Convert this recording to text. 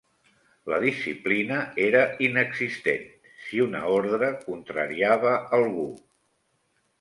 La disciplina era inexistent, si una ordre contrariava algú